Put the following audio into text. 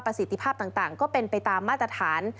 สิทธิภาพต่างก็เป็นไปตามมาตรฐาน